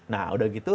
nah udah gitu